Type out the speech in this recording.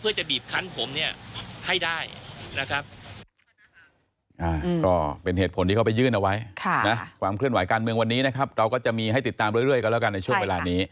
เพื่อจะบีบคันผมเนี่ยให้ได้นะครับ